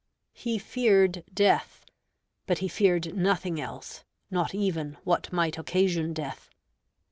He feared death, but he feared nothing else, not even what might occasion death.